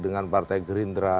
dengan partai gerindra